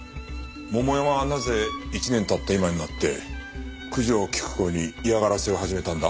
桃山はなぜ１年経った今になって九条菊子に嫌がらせを始めたんだ？